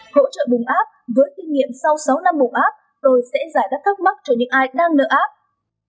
hỗ trợ bùng app với kinh nghiệm sau sáu năm bùng app tôi sẽ giải đáp thắc mắc cho những ai đang nợ app